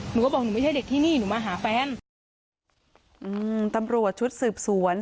หนูก็บอกหนูไม่ใช่เด็กที่นี่หนูมาหาแฟนอืมตำรวจชุดสืบสวน